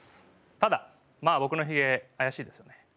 ただまあ僕のヒゲ怪しいですよね。